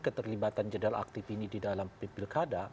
keterlibatan jenderal aktif ini di dalam pilkada